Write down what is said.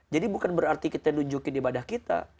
jadi bukan berarti kita nunjukin ibadah kita